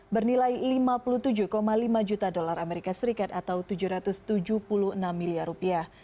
bernilai lima puluh tujuh lima juta dolar amerika serikat atau tujuh ratus tujuh puluh enam miliar rupiah